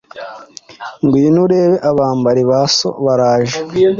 ngwino urebe abambari ba So baraje”